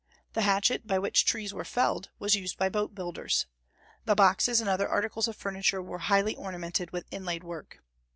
The hatchet, by which trees were felled, was used by boat builders. The boxes and other articles of furniture were highly ornamented with inlaid work.